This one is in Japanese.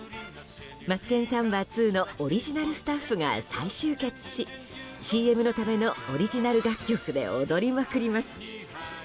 「マツケンサンバ２」のオリジナルスタッフが再集結しＣＭのためのオリジナル楽曲で踊りまくります。